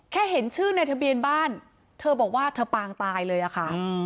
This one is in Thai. เห็นชื่อในทะเบียนบ้านเธอบอกว่าเธอปางตายเลยอะค่ะ